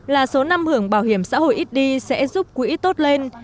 là số năm hưởng bảo hiểm xã hội ít đi sẽ giúp quỹ tốt lên